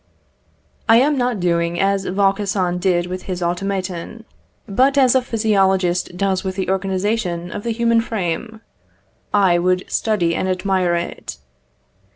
I am not doing as Vaucauson did with his automaton, but as a physiologist does with the organisation of the human frame; I would study and admire it.